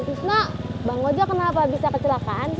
pak bikusna bang gojo kenapa bisa kecelakaan sih